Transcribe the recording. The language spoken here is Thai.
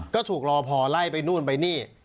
ก็ถูกรอพอไล่ไปนู่นไปนี่